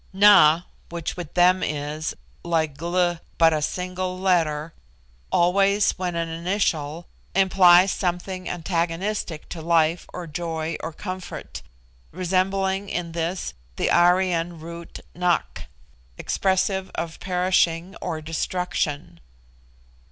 Na, which with them is, like Gl, but a single letter, always, when an initial, implies something antagonistic to life or joy or comfort, resembling in this the Aryan root Nak, expressive of perishing or destruction.